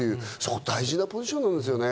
大事なポジションですよね。